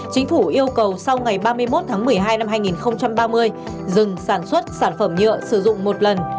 chính phủ yêu cầu sau ngày ba mươi một tháng một mươi hai năm hai nghìn ba mươi dừng sản xuất sản phẩm nhựa sử dụng một lần